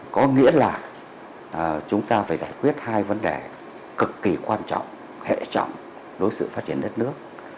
có nghĩa là chúng ta phải giải quyết hai vấn đề cực kỳ quan trọng hệ trọng đối với sự phát triển đất nước